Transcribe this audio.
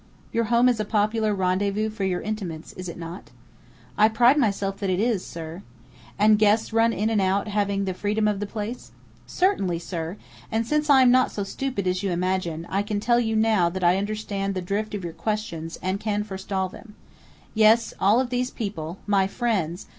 "Your home is a popular rendezvous for your intimates, is it not?" "I pride myself that it is, sir!" "And guests run in and out, having the freedom of the place?" "Certainly, sir!... And since I am not so stupid as you imagine, I can tell you now that I understand the drift of your questions, and can forestall them: Yes, all of these people my friends!